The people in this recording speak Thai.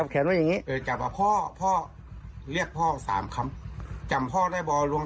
แล้วท่องก่อนฝตายอีกชีวิตด้วย